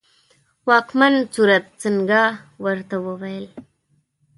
واکمن سورت سینګه ورته وویل.